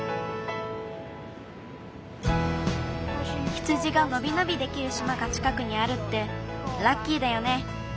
羊がのびのびできるしまがちかくにあるってラッキーだよね。